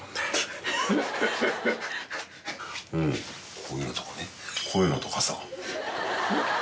こういうのとかねこういうのとかさ。